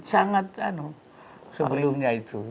sangat sebelumnya itu